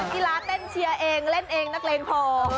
กีฬาเต้นเชียร์เองเล่นเองนักเลงพอ